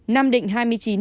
nam định hai mươi chín